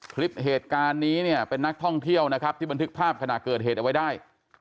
คลิปเหตุการณ์นี้เนี่ยเป็นนักท่องเที่ยวนะครับที่บันทึกภาพขณะเกิดเหตุเอาไว้ได้